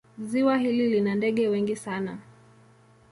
Ziwa hili lina ndege wengi sana.